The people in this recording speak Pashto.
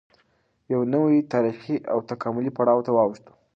یوه نوې تارېخي او تکاملي پړاو ته واوښته